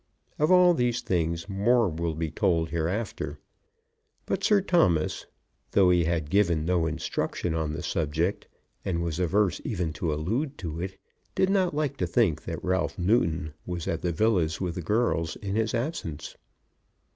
Of all these things more will be told hereafter; but Sir Thomas, though he had given no instruction on the subject, and was averse even to allude to it, did not like to think that Ralph Newton was at the villa with the girls in his absence.